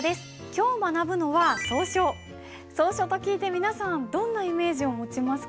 今日学ぶのは草書と聞いて皆さんどんなイメージを持ちますか？